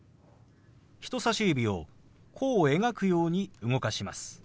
人さし指を弧を描くように動かします。